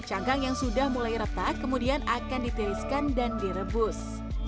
cangkang yang sudah mulai retak kemudian akan ditiriskan dan direbus